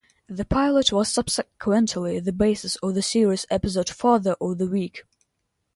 The pilot was subsequently the basis of the series episode "Father of the Week".